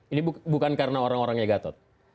ini bukan karena orang orangnya gatot